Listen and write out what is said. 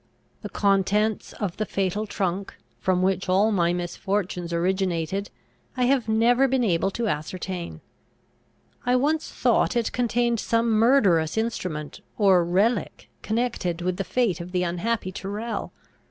The contents of the fatal trunk, from which all my misfortunes originated, I have never been able to ascertain. I once thought it contained some murderous instrument or relic connected with the fate of the unhappy Tyrrel.